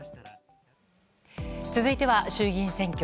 続いては衆議院選挙。